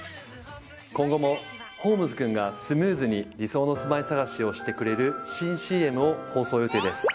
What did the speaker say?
今後もホームズくんがスムーズに理想の住まい探しをしてくれる新ＣＭを放送予定です。